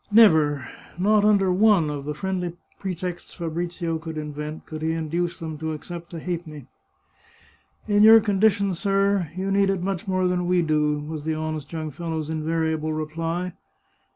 Never — not under one of the friendly pretexts Fabrizio could in vent— could he induce them to accept a halfpenny. " In your condition, sir, you need it much more than we do," was the honest young fellows* invariable reply.